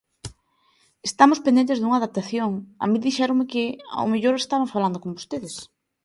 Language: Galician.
Estamos pendentes dunha adaptación, a min dixéronme que ao mellor estaban falando con vostedes.